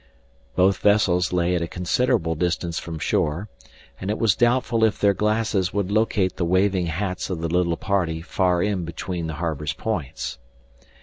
Both vessels lay at a considerable distance from shore, and it was doubtful if their glasses would locate the waving hats of the little party far in between the harbor's points.